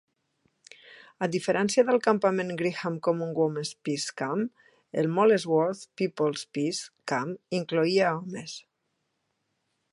A diferència del campament Greenham Common Women's Peace Camp, el Molesworth People's Peace Camp incloïa homes.